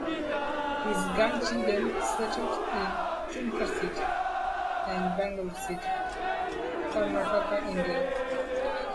His grandchildren settled in Tumkur City and Bangalore City, Karnataka, India.